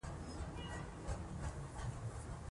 د ملالۍ په باب تحقیق کېده.